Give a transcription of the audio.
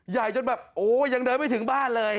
ใหญ่จนแบบโอ้ยังเดินไม่ถึงบ้านเลย